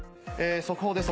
速報です